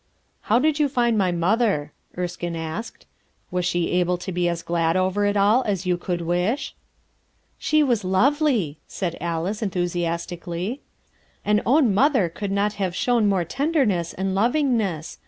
''How did you find my mother?" Erskine asked. "Was she able to be as glad over it all as you could wish?" "She was lovely," said Alice, enthusiastically. 9i RUTH ERSEDJE'S SOX "An own mother could not have shown more tenderness and Iovingness.